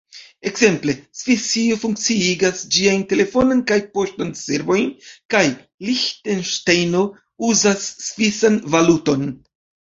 Ekzemple, Svisio funkciigas ĝiajn telefonan kaj poŝtan servojn, kaj Liĥtenŝtejno uzas svisan valuton.